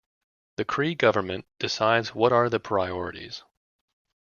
The Cree Government decides what are the priorities.